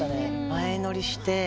前乗りして。